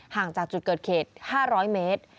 ห่างจากจุดเกิดเหตุ๕๐๐เมตร